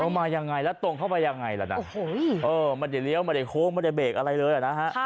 ราคาอ่อมาอย่างไรละตรงเข้าไปอย่างไรละนะโอ้โห้มาจะเลี้ยวมาได้โค้กไม่ได้เบกอะไรเลยนะฮะ